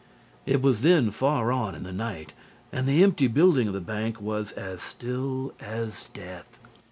It was then far on in the night and the empty building of the bank was as still as death.